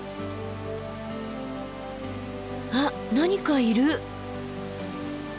あっ何かいる。